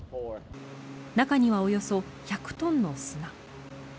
中にはおよそ１００トンの砂。